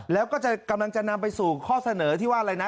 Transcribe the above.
แล้วก็กำลังจะนำไปสู่ข้อเสนอที่ว่าอะไรนะ